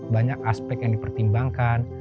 banyak aspek yang dipertimbangkan